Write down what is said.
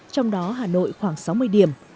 trong đó hà nội khoảng sáu mươi điểm